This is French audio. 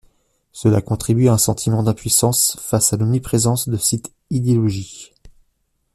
Cela contribue à un sentiment d'impuissance face à l'omniprésence de cette idéologie.